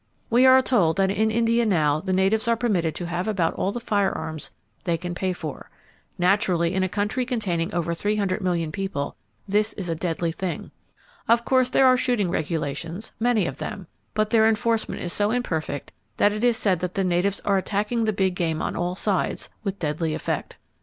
We are told that in India now the natives are permitted to have about all the firearms they can pay for. Naturally, in a country containing over 300,000,000 people this is a deadly thing. Of course there are shooting regulations, many of them; but their enforcement is so imperfect that it is said that the natives are attacking the big game on all sides, with deadly effect.